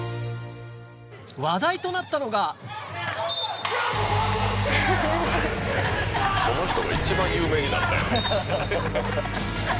話題となったのがこの人が一番有名になったよね。